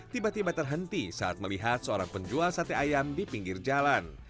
tiba tiba terhenti saat melihat seorang penjual sate ayam di pinggir jalan